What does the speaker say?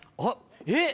えっ。